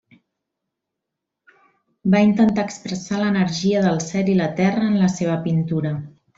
Va intentar expressar l'energia del cel i la terra en la seva pintura.